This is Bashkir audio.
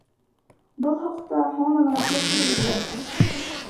— Был хаҡта һуңынан гәпләшербеҙ әле.